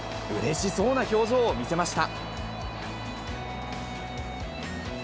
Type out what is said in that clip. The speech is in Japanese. うれしそうな表情を見せました。